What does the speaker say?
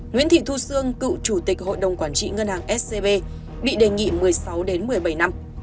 nguyễn thị thu sương cựu chủ tịch hội đồng quản trị ngân hàng scb bị đề nghị một mươi sáu một mươi bảy năm